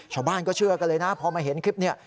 ชาวบ้านก็เชื่อกันเลยนะพอมาเห็นคลิปนี้